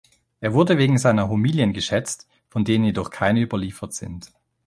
Er wurde wegen seiner Homilien geschätzt, von denen jedoch keine überliefert sind.